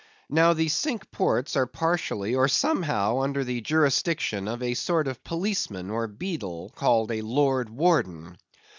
Now the Cinque Ports are partially or somehow under the jurisdiction of a sort of policeman or beadle, called a Lord Warden.